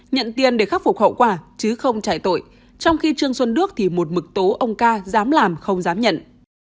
nhận tiền để khắc phục hậu quả chứ không chạy tội trong khi trương xuân đức thì một mực tố ông ca dám làm không dám nhận